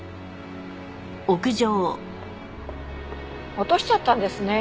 落としちゃったんですね